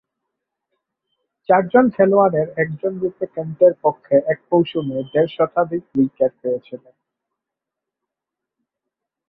চারজন খেলোয়াড়ের একজনরূপে কেন্টের পক্ষে এক মৌসুমে দেড় শতাধিক উইকেট পেয়েছিলেন।